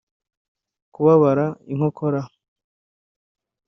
Kubabara inkokora